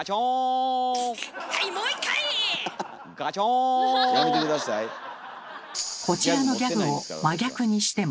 はいもう一回！こちらのギャグを真逆にしても。